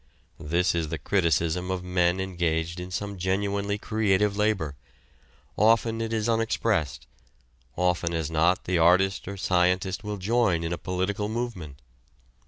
This is the criticism of men engaged in some genuinely creative labor. Often it is unexpressed, often as not the artist or scientist will join in a political movement.